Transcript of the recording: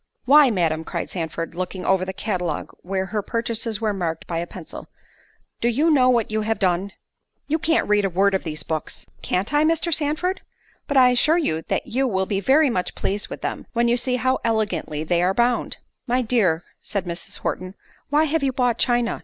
"Why, Madam," cried Sandford, looking over the catalogue where her purchases were marked by a pencil, "do you know what you have done? You can't read a word of these books." "Can't I, Mr. Sandford? But I assure you that you will be very much pleased with them, when you see how elegantly they are bound." "My dear," said Mrs. Horton, "why have you bought china?